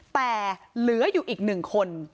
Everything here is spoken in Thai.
แต่เหลืออยู่อีก๑คน